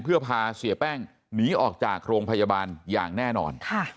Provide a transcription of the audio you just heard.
เพื่อพาเสียแป้งหนีออกจากโรงพยาบาลอย่างแน่นอน